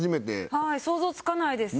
はい想像つかないです。